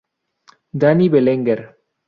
Dani Belenguer.